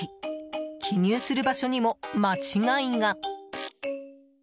記入する場所にも間違いが。